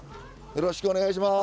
よろしくお願いします。